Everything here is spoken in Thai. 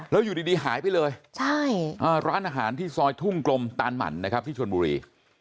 แล้วอยู่ดีหายไปเลยร้านอาหารที่ซอยทุ่งกลมตานหมั่นนะครับที่ชนบุรี